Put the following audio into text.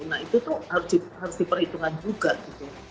nah itu tuh harus diperhitungkan juga gitu